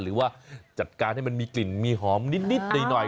หรือว่าจัดการให้มันมีกลิ่นมีหอมนิดหน่อย